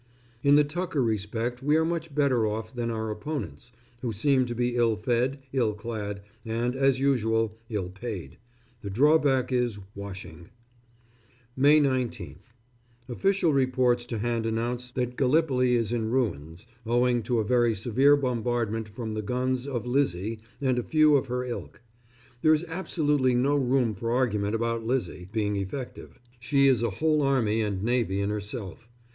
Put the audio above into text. In the tucker respect we are much better off than our opponents, who seem to be ill fed, ill clad, and, as usual, ill paid.... The drawback is washing.... May 19th. Official reports to hand announce that Gallipoli is in ruins, owing to a very severe bombardment from the guns of Lizzie and a few of her ilk. There is absolutely no room for argument about Lizzie being effective. She is a whole army and navy in herself.